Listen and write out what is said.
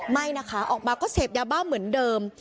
ไม่นะคะออกมาก็เสพยาบ้าเหมือนเดิม